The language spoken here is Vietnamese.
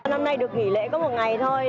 năm nay được nghỉ lễ có một ngày thôi